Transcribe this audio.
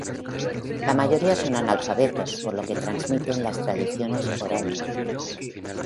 La mayoría son analfabetos por lo que transmiten las tradiciones oralmente.